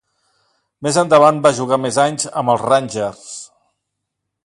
Més endavant va jugar més anys amb els Rangers.